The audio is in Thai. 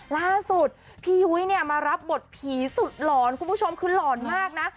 ล่าสุดพี่ยุ้ยเนี่ยมารับบทผีสุดหลอนคุณผู้ชมคือหลอนมากนะ